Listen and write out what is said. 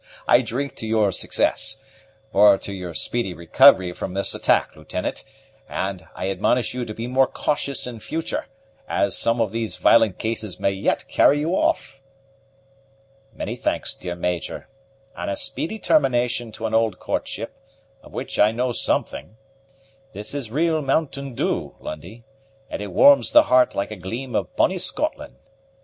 I drink to your success, or to your speedy recovery from this attack, Lieutenant; and I admonish you to be more cautious in future, as some of these violent cases may yet carry you off." "Many thanks, dear Major; and a speedy termination to an old courtship, of which I know something. This is real mountain dew, Lundie, and it warms the heart like a gleam of bonnie Scotland.